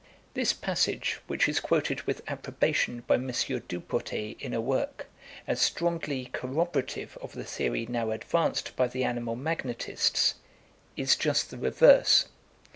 This passage, which is quoted with approbation by M. Dupotet in a work, as strongly corroborative of the theory now advanced by the animal magnetists, is just the reverse.